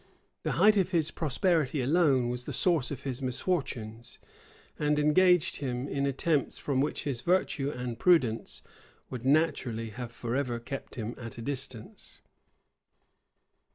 The height of his prosperity alone was the source of his misfortunes, and engaged him in attempts from which his virtue and prudence would naturally have forever kept him at a distance.